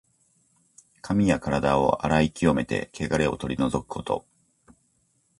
髪やからだを洗い清めて、けがれを取り除くこと。